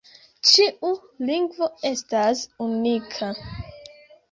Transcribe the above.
Ĉiu lingvo estas unika.